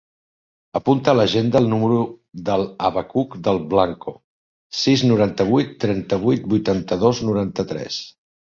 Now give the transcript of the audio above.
Apunta a l'agenda el número del Abacuc Del Blanco: sis, noranta-vuit, trenta-vuit, vuitanta-dos, noranta-tres.